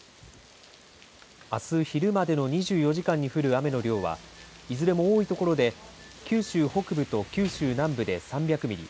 あす昼までの２４時間に降る雨の量はいずれも多い所で九州北部と九州南部で３００ミリ